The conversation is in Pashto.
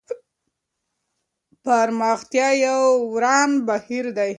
پرمختيا يو روان بهير دی.